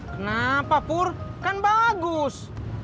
kenapa pur kan bagus